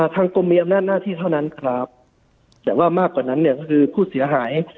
ทางกรมมีอำนาจหน้าที่เท่านั้นครับแต่ว่ามากกว่านั้นเนี่ยก็คือผู้เสียหาย